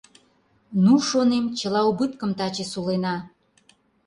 Ну, шонем, чыла убыткым таче сулена.